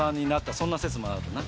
そんな説もあるな。